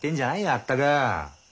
まったく！